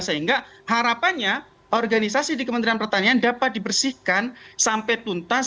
sehingga harapannya organisasi di kementerian pertanian dapat dibersihkan sampai tuntas